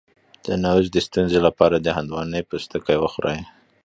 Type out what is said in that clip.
د نعوظ د ستونزې لپاره د هندواڼې پوستکی وخورئ